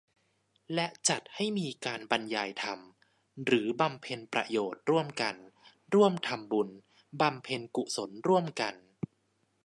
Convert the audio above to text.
และจัดให้มีการบรรยายธรรม หรือบำเพ็ญประโยชน์ร่วมกัน ร่วมทำบุญ บำเพ็ญกุศลร่วมกัน